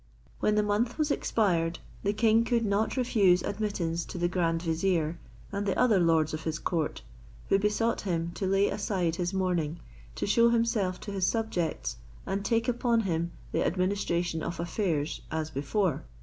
When the month was expired, the king could not refuse admittance to the grand vizier and the other lords of his court, who besought him to lay aside his mourning, to shew himself to his subjects, and take upon him the administration of affairs as before.